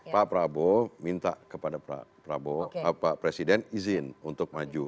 pak prabowo minta kepada pak prabowo pak presiden izin untuk maju